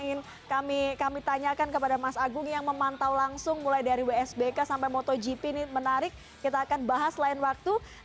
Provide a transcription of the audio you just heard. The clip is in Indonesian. ingin kami tanyakan kepada mas agung yang memantau langsung mulai dari wsbk sampai motogp ini menarik kita akan bahas lain waktu